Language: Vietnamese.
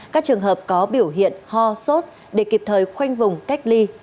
các trường hợp có biểu hiện ho sốt để kịp thời khoanh vùng cách ly